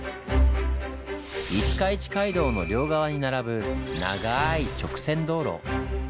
五日市街道の両側に並ぶながい直線道路。